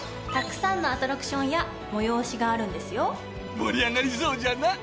盛り上がりそうじゃな。